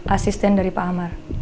asisten dari pak amar